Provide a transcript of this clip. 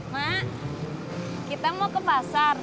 mak kita mau ke pasar